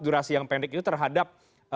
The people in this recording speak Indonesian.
durasi yang pendek itu terhadap